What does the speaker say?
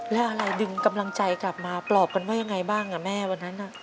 แล้วอะไรดึงกำลังใจกลับมาปลอบกันว่ายังไงบ้างแม่วันนั้น